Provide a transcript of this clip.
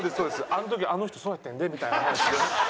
あの時あの人そうやってんでみたいな。